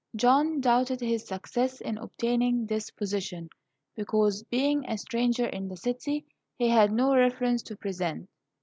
John doubted his success in obtaining this position, because, being a stranger in the city, he had no reference to present.